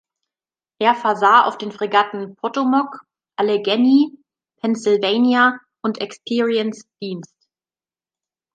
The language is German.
Er versah auf den Fregatten "Potomac"," Allegheny", "Pennsylvania" und "Experience" Dienst.